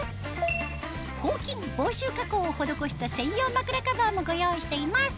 抗菌・防臭加工を施した専用枕カバーもご用意しています